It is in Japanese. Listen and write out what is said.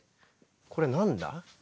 これは何だ？